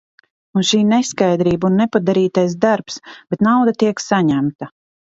Un šī neskaidrība un nepadarītais darbs, bet nauda tiek saņemta.